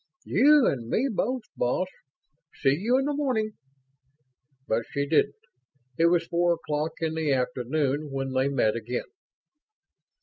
"You and me both, boss. See you in the morning." But she didn't. It was four o'clock in the afternoon when they met again.